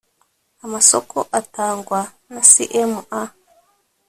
amasoko atangwa na cma